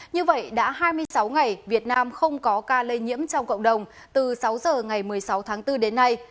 như vậy đã hai mươi sáu ngày việt nam không có ca lây nhiễm trong cộng đồng từ sáu giờ ngày một mươi sáu tháng bốn đến nay